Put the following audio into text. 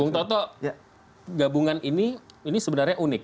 bung toto gabungan ini sebenarnya unik